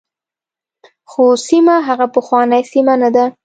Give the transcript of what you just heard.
خو سیمه هغه پخوانۍ سیمه نه ده.